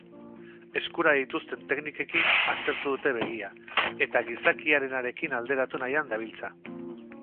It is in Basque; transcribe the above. Eskura dituzten teknikekin aztertu dute begia, eta gizakiarenarekin alderatu nahian dabiltza.